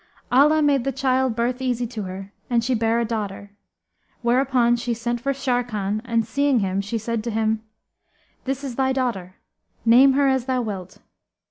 Allah made the child birth easy to her and she bare a daughter, whereupon she sent for Sharrkan and seeing him she said to him, "This is thy daughter: name her as thou wilt."